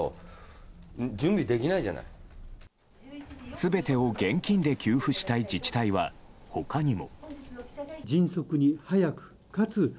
全てを現金で給付したい自治体は他にも。